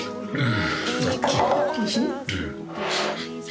うん。